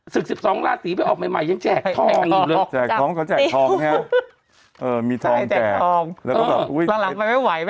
ศึก๑๒ราศีไปออกใหม่ยังแจกทองอยู่เลย